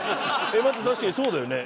待って確かにそうだよね。